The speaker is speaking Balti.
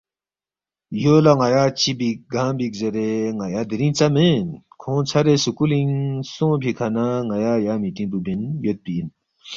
یو لہ ن٘یا چِہ بیک گانگ بیک زیرے ن٘یا دِرِنگ ژا مین کھونگ ژھرے سکُولِنگ سونگفی کھہ نہ ن٘یا یا مِٹینگ پو بین یودپی اِن